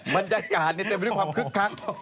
มันจะกาดเต็มไปด้วยความคึกคัก